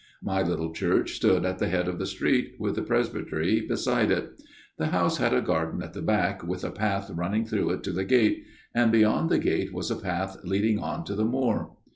My little church stood at the head of the street, with the presbytery beside it. The house had a garden at the back, with a path running through it to the gate ; and beyond the gate was a path leading on to the moor.